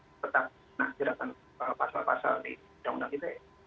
tetap menjerat pasal pasal di undang undang ite